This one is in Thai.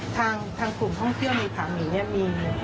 ทางกลุ่มท่องเที่ยวในผามีมี